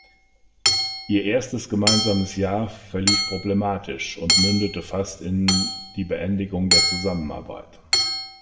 Ihr erstes gemeinsames Jahr verlief problematisch und mündete fast in die Beendigung der Zusammenarbeit.